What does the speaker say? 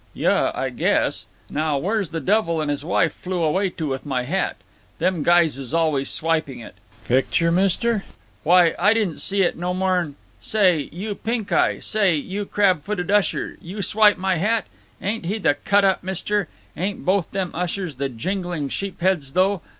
"Yuh, I guess—Now where's the devil and his wife flew away to with my hat? Them guys is always swiping it. Picture, mister? Why, I didn't see it no more 'n—Say you, Pink Eye, say you crab footed usher, did you swipe my hat? Ain't he the cut up, mister! Ain't both them ushers the jingling sheepsheads, though!